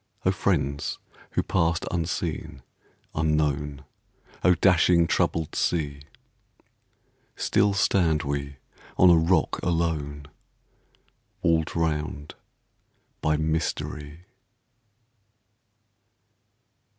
O friends who passed unseen, unknown! O dashing, troubled sea! Still stand we on a rock alone, Walled round by mystery.